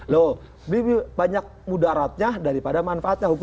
loh lebih banyak mudaratnya daripada manfaatnya